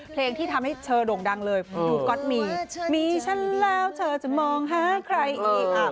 เพลงที่ทำให้เธอโด่งดังเลยดูก๊อตมีมีฉันแล้วเธอจะมองหาใครอีก